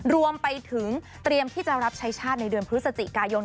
รวมไปถึงเตรียมที่จะรับใช้ชาติในเดือนพฤศจิกายน